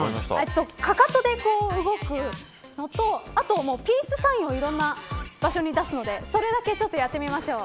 かかとで動くのとあと、ピースサインをいろんな場所に出すのでそれだけちょっとやってみましょう。